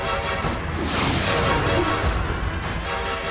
ada yang sedang bertarung radit